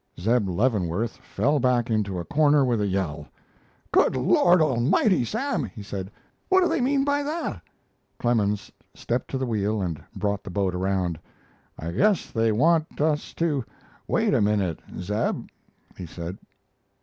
Zeb Leavenworth fell back into a corner with a yell. "Good Lord Almighty! Sam;" he said, "what do they mean by that?" Clemens stepped to the wheel and brought the boat around. "I guess they want us to wait a minute, Zeb," he said.